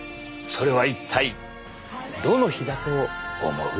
それは一体どの日だと思う？